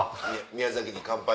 宮崎に乾杯。